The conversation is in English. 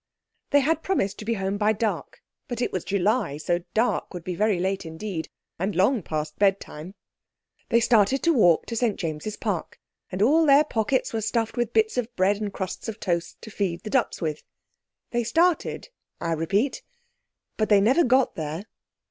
They had promised to be home by dark, but it was July, so dark would be very late indeed, and long past bedtime. They started to walk to St James's Park, and all their pockets were stuffed with bits of bread and the crusts of toast, to feed the ducks with. They started, I repeat, but they never got there.